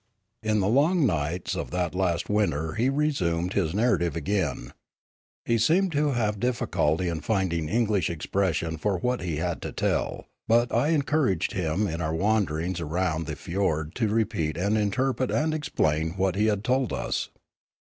In the long nights of that last winter he resumed his narrative again. He seemed to have difficulty in find ing English expression for what he had to tell, but I encouraged him in our wanderings around the fiord to repeat and interpret and explain what he had told us.